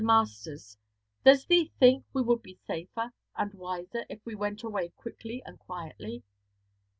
Masters, does thee think we would be safer, and wiser, if we went away quickly and quietly?'